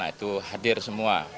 itu hadir semua